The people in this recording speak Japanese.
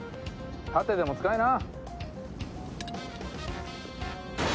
盾でも使いな。